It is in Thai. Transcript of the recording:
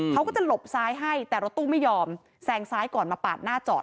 เขาก็จะหลบซ้ายให้แต่รถตู้ไม่ยอมแซงซ้ายก่อนมาปาดหน้าจอด